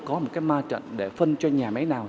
có một cái ma trận để phân cho nhà máy nào